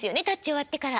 終わってから。